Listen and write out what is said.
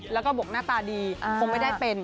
แล้วก็บอกหน้าตาดีคงไม่ได้เป็น